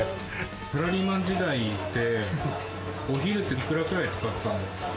サラリーマン時代って、お昼って幾らくらい使っていたんですか？